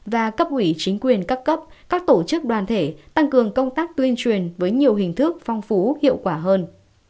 và cấp ủy chính quyền các cấp các tổ chức đoàn thể tăng cường công tác tuyên truyền với nhiều hình thức phong phú hiệu quả hơn